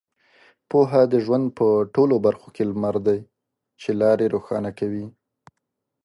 پوهه د ژوند په ټولو برخو کې لمر دی چې لارې روښانه کوي.